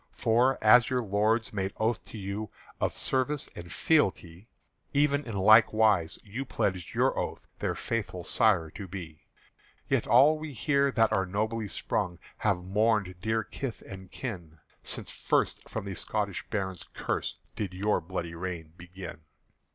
"For, as your lords made oath to you Of service and fealty, Even in like wise you pledged your oath Their faithful sire to be: "Yet all we here that are nobly sprung Have mourned dear kith and kin Since first for the Scotish Barons' curse Did your bloody rule begin."